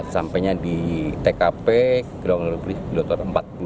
sampainya di tkp kilometer empat puluh enam